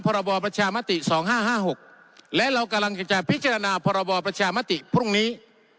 พรบประชามติ๒๕๕๖และเรากำลังจะพิจารณาพรบประชามติพรุ่งนี้